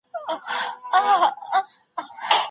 د ارتقا پړاوونه بايد ووهل سي.